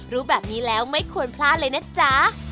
รู้แบบนี้แล้วไม่ควรพลาดเลยนะจ๊ะ